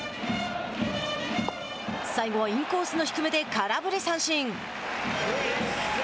最後はインコースの低めで空振り三振。